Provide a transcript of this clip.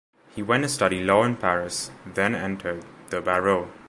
He went to study law in Paris, then entered the "Bareau".